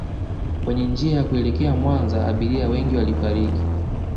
kwenye njia ya kuelekea Mwanza Abiria wengi walifariki